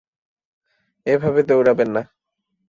এভাবে দৌঁড়াবেন না।